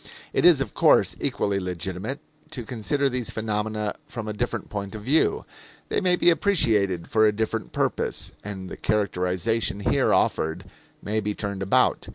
It is, of course, equally legitimate to consider these phenomena from a different point of view. They may be appreciated for a different purpose, and the characterization here offered may be turned about.